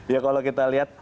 ya kalau kita lihat